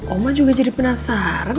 oma juga jadi penasaran